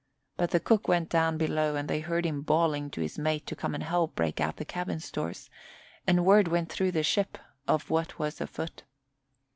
But the cook went down below and they heard him bawling to his mate to come and help break out the cabin stores, and word went through the ship of what was afoot.